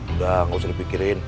udah gak usah dipikirin